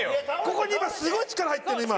ここに今すごい力入ってるの。